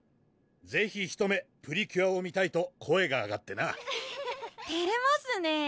ぜひひと目プリキュアを見たいと声が上がってなアハハハてれますね